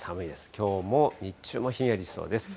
きょうも、日中もひんやりしそうです。